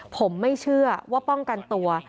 ผมไม่เชื่อว่าป้องกันตัว